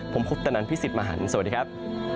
ผมคุปตนันพี่สิทธิ์มหันฯสวัสดีครับ